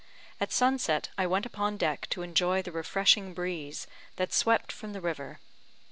At sunset, I went upon deck to enjoy the refreshing breeze that swept from the river.